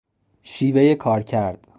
شیوهی کارکرد